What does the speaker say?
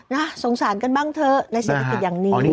น่ะสงสันกันบ้างเถอะในสถิติอย่างนี้